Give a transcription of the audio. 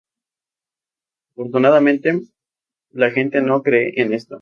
Afortunadamente, la gente no cree en esto.